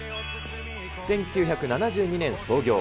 １９７２年創業。